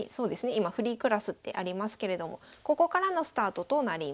今「フリークラス」ってありますけれどもここからのスタートとなります。